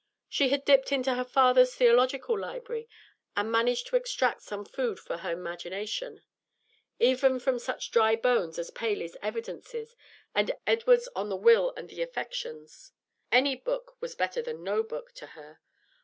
She had dipped into her dead father's theological library, and managed to extract some food for her imagination, even from such dry bones as "Paley's Evidences" and "Edwards on the Will and the Affections." Any book was better than no book to her.